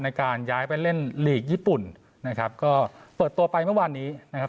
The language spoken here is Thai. ในการย้ายไปเล่นลีกญี่ปุ่นนะครับก็เปิดตัวไปเมื่อวานนี้นะครับ